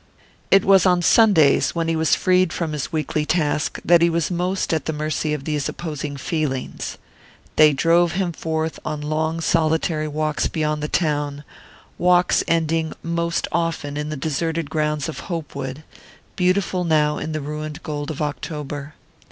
It was on Sundays, when he was freed from his weekly task, that he was most at the mercy of these opposing feelings. They drove him forth on long solitary walks beyond the town, walks ending most often in the deserted grounds of Hopewood, beautiful now in the ruined gold of October.